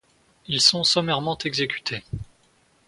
Ils sont sommairement exécutés.